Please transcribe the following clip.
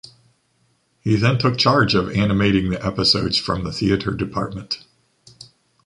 He then took charge of animating the episodes from the theater department.